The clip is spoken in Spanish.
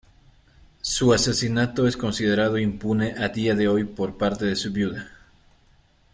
Su asesinato es considerado impune a día de hoy por parte de su viuda.